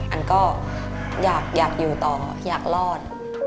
อันก็อยากอยู่ต่ออยากรอด